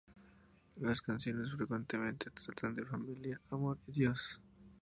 Las canciones frecuentemente tratan de familia, amor y Dios.